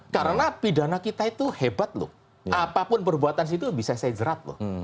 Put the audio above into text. karena pidana kita itu hebat loh apapun perbuatan itu bisa saya jerat loh